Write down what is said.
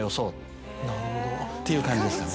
っていう感じですかね。